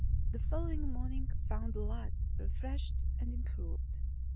The following morning found the lad refreshed and improved.